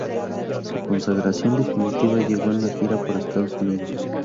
Su consagración definitiva llegó en la gira por Estados Unidos.